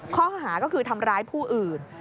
ข้อหาก็คือทำร้ายผู้อื่น